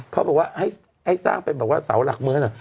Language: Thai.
เขาบอกว่าให้สร้างเป็นเสาหลักเมือง